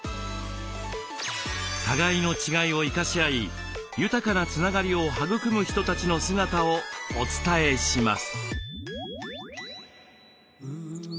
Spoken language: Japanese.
互いの違いを生かし合い豊かなつながりを育む人たちの姿をお伝えします。